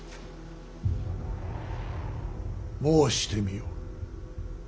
申してみよ。